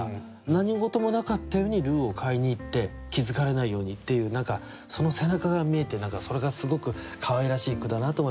何事もなかったようにルーを買いに行って気付かれないようにっていう何かその背中が見えてそれがすごくかわいらしい句だなと思いましたけどね。